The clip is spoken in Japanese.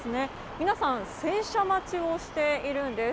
皆さん、洗車待ちをしているんです。